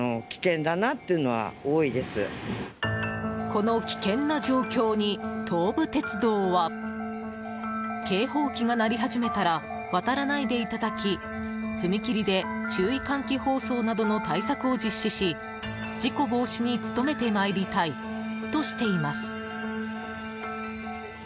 この危険な状況に東武鉄道は警報機が鳴り始めたら渡らないでいただき踏切で注意喚起放送などの対策を実施し事故防止に努めてまいりたいとしています。